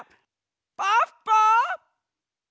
ポッポ！